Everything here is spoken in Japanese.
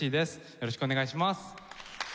よろしくお願いします。